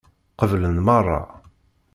Qeblen meṛṛa.